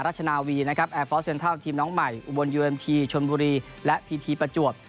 ชนาวีนะครับแอร์ฟอร์สเซ็นทรัลทีมน้องใหม่อุบลยูเอ็มทีชนบุรีและพีทีประจวบ